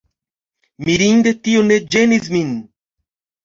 Mirinde tio ne ĝenis min.